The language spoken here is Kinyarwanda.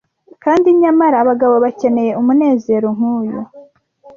'' Kandi nyamara abagabo bakeneye umunezero nkuyu!